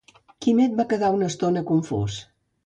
Quimet va quedar una estona confós.